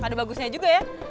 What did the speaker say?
pada bagusnya juga ya